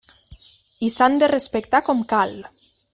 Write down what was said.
I s'han de respectar com cal.